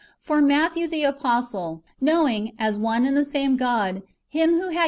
For Matthew the apostle — knowing, as one and the same God, Him who had 1 Ps.